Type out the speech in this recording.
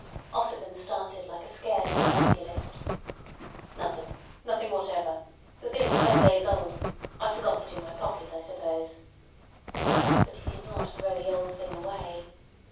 Ossipon started like a scared somnambulist. "Nothing. Nothing whatever. The thing's ten days old. I forgot it in my pocket, I suppose." But he did not throw the old thing away.